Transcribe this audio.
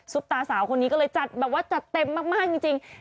ตาสาวคนนี้ก็เลยจัดแบบว่าจัดเต็มมากจริง